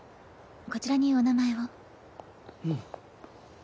こちらにお名前を。